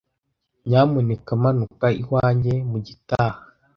Nyamuneka manuka iwanjye mugitaha.